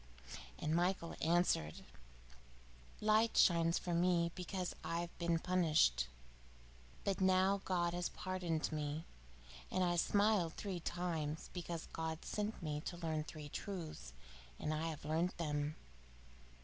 And Michael answered: "Light shines from me because I have been punished, but now God has pardoned me. And I smiled three times, because God sent me to learn three truths, and I have learnt them.